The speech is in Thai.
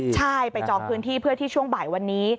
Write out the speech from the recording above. ใช่ไปจองพื้นที่เพื่อที่ช่วงบ่ายวันนี้